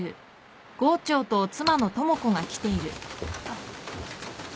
あっ。